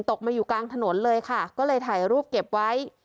ตกมาอยู่กลางถนนเลยค่ะก็เลยถ่ายรูปเก็บไว้